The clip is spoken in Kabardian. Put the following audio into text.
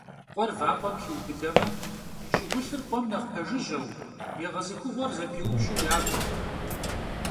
Khuer vap'em xiubıdeme, ş'ıgulhır khuem nexh pejjıjeu, yêğezıxığuer zepiupş'u yave.